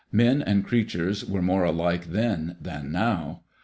Men and creatures were more alike then than now.